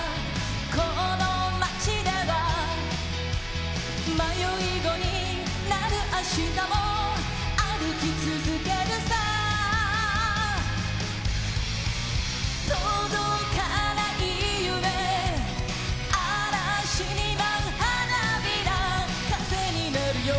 この街では迷い子になる明日も歩き続けるさ届かない夢嵐に舞う花びら風になるよ